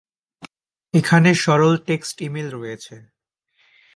এখানে সরল text email রয়েছে